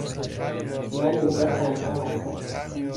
من اینجا تنها هستم.